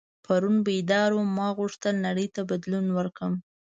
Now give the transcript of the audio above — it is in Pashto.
پرون بیدار وم ما غوښتل نړۍ ته بدلون ورکړم.